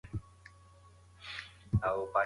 ليکوال هڅه کوي چې روښانه وليکي.